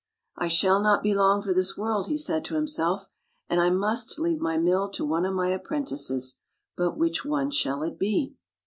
" I shall not be long for this world," he said to himself, " and I must leave my mill to one of my apprentices; but which one shall it be?